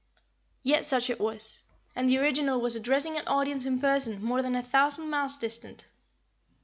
Yet such it was, and the original was addressing an audience in person more than a thousand miles distant.